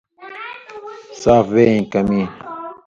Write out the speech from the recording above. صاف وے ایں کمی۔